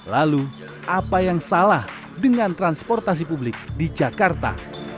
lalu apa yang salah dengan transportasi publik di jakarta